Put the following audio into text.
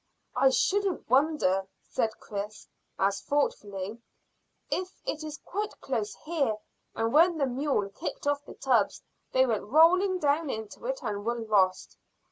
"I shouldn't wonder," said Chris, as thoughtfully, "if it is quite close here, and when the mule kicked off the tubs they went rolling down into it and were lost."